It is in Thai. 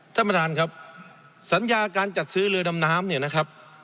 ท่านประธานครับสัญญาการจัดซื้อเรือดำน้ำเนี่ยนะครับ